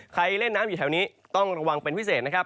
เล่นน้ำอยู่แถวนี้ต้องระวังเป็นพิเศษนะครับ